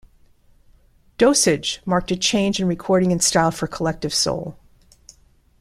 "Dosage" marked a change in recording and style for Collective Soul.